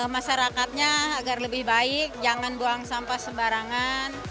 masyarakatnya agar lebih baik jangan buang sampah sembarangan